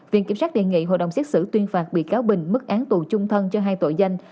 viện kiểm sát đề nghị hội đồng xét xử tuyên phạt bị cáo bình mức án tù chung thân cho hai tội danh